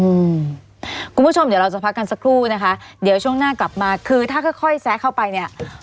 คุณผู้ชมเดี๋ยวเราจะพักกันสักครู่นะคะเดี๋ยวช่วงหน้ากลับมาคือถ้าค่อยค่อยแซะเข้าไปเนี่ย